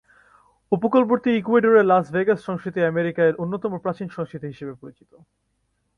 উপকূলবর্তী ইকুয়েডরের Las Vegas সংস্কৃতি আমেরিকায় অন্যতম প্রাচীন সংস্কৃতি হিসেবে পরিচিত।